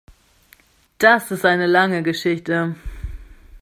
Das ist eine lange Geschichte.